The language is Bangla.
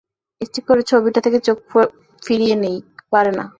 ইচ্ছা করে ছবিটা থেকে চোখ ফিরিয়ে নেয়, পারে না।